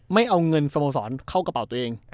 ไม่เอาเงินสโมสรเข้ากระเป๋าตัวเอง